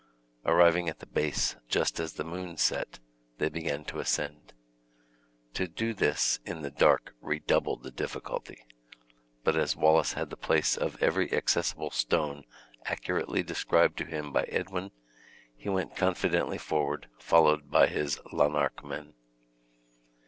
Arriving at the base just as the moon set, they began to ascend. To do this in the dark redoubled the difficulty; but as Wallace had the place of every accessible stone accurately described to him by Edwin, he went confidently forward, followed by his Lanarkmen.